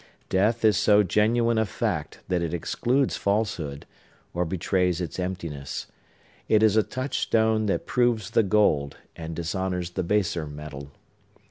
Death is so genuine a fact that it excludes falsehood, or betrays its emptiness; it is a touchstone that proves the gold, and dishonors the baser metal.